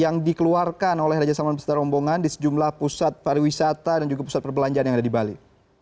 yang dikeluarkan oleh raja salman beserta rombongan di sejumlah pusat pariwisata dan juga pusat perbelanjaan yang ada di bali